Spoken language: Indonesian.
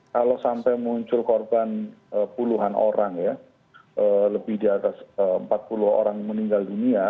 kalau sampai muncul korban puluhan orang ya lebih di atas empat puluh orang meninggal dunia